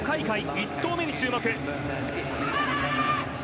１投目に注目。